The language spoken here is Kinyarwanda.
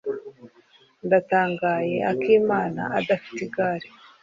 Ndatangaye Akimana adafite igare.